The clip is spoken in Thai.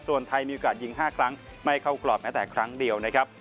ส่วนไทยมีโอกาสยิง๕ครั้งไม่เข้ากรอบแม้แต่ครั้งเดียวนะครับ